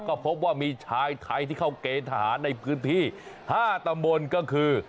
ก็พบว่ามีชายไทยที่เข้าเกณฑ์ทหารในพื้นที่๕ตำบลก็คือ